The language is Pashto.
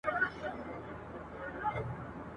پکښي عیب یې وو د هر سړي کتلی !.